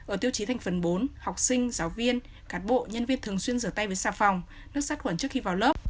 ở tiêu chí thành phần bốn học sinh giáo viên cán bộ nhân viên thường xuyên rửa tay với xa phòng nước sát khuẩn trước khi vào lớp